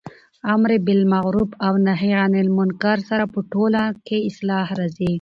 په امرباالمعرف او نهي عن المنکر سره په ټوله کي اصلاح راځي